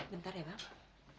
bentar ya mbak